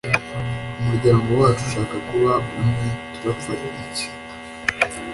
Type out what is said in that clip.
umuryango wacu ushaka kuba umwe, turapfa iki